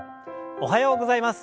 おはようございます。